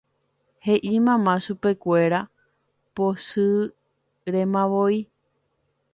He'i mamá chupekuéra pochýremavoi.